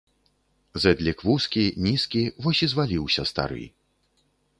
Зэдлік вузкі, нізкі, вось і зваліўся стары.